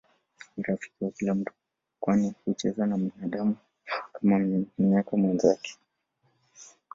Ni rafiki wa kila mtu kwani hucheza na binadamu Kama mnyaka mwenzake